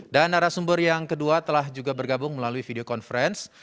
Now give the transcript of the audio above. dan arah sumber yang kedua telah juga bergabung melalui video conference